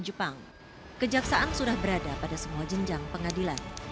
kejaksaan sudah berada pada semua jenjang pengadilan